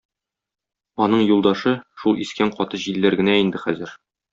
Аның юлдашы шул искән каты җилләр генә инде хәзер.